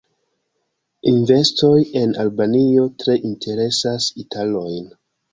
Investoj en Albanio tre interesas italojn.